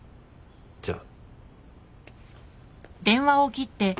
じゃあ。